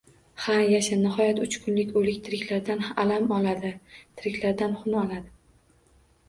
— Ha, yasha. Nihoyat, uch kunlik o‘lik... tiriklardan alam oladi, tiriklardan xun oladi.